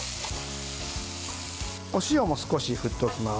お塩も少し振っておきます。